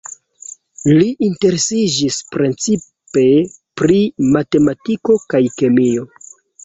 Li interesiĝis precipe pri matematiko kaj kemio.